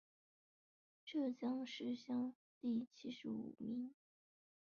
浙江乡试第七十五名。